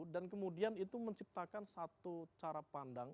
dan kemudian itu menciptakan satu cara pandang